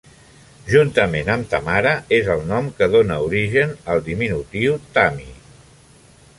Juntament amb "Tamara", és el nom que dóna origen al diminutiu "Tammy".